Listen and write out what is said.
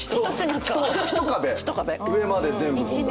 一壁上まで全部。